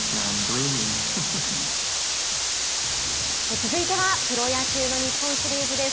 続いてはプロ野球の日本シリーズです。